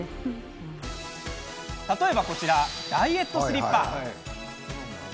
例えば、こちらダイエットスリッパ。